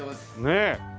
ねえ。